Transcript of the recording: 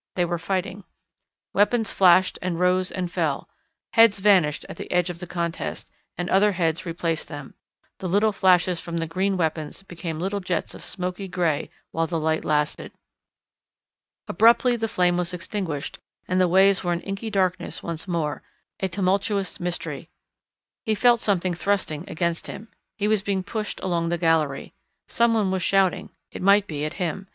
They were fighting. Weapons flashed and rose and fell, heads vanished at the edge of the contest, and other heads replaced them, the little flashes from the green weapons became little jets of smoky grey while the light lasted. Abruptly the flare was extinguished and the ways were an inky darkness once more, a tumultuous mystery. He felt something thrusting against him. He was being pushed along the gallery. Someone was shouting it might be at him.